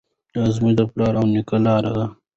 دا زموږ د پلار او نیکه لاره ده.